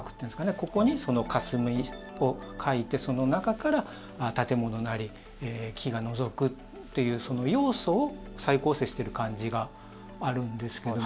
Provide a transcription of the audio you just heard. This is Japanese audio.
ここにかすみを描いてその中から建物なり木がのぞくというその要素を再構成している感じがあるんですけども。